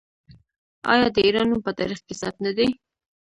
آیا د ایران نوم په تاریخ کې ثبت نه دی؟